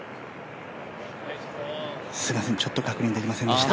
すいません、ちょっと確認できませんでした。